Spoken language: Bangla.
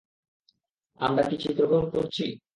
আমরা কী চিত্রগ্রহণ করছি?